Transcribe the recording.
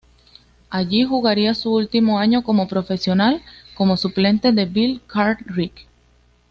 Allí jugaría su último año como profesional, como suplente de Bill Cartwright.